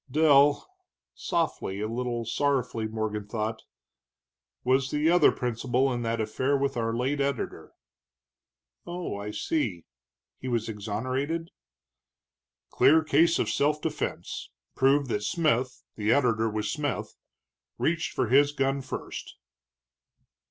Dell" softly, a little sorrowfully, Morgan thought "was the other principal in that affair with our late editor." "Oh, I see. He was exonerated?" "Clear case of self defense, proved that Smith the editor was Smith reached for his gun first."